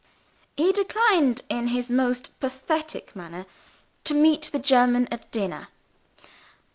He declined, in his most pathetic manner, to meet the German at dinner.